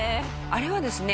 あれはですね